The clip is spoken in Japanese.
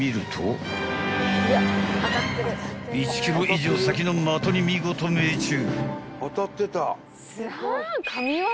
［１ｋｍ以上先の的に見事命中］